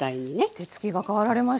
手つきが変わられました。